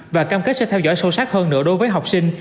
và cam kết sẽ theo dõi sâu sắc hơn nữa đối với học sinh